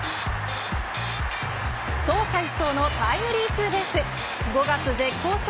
走者一掃のタイムリーツーベース。